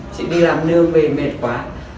chị đi làm nương về mệt quá